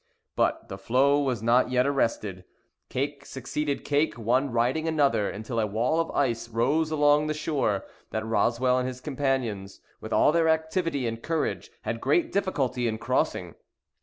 But the floe was not yet arrested. Cake succeeded cake, one riding another, until a wall of ice rose along the shore, that Roswell and his companions, with all their activity and courage, had great difficulty in crossing.